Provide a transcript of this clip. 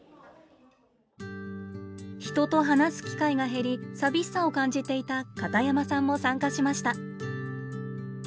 人と話す機会が減り寂しさを感じていた片山さんも参加しました。